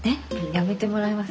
やめてもらえます？